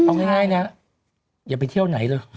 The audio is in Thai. เอาง่ายนะอย่าไปเที่ยวไหนเลย